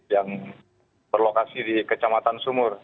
yang berlokasi di kecamatan sumur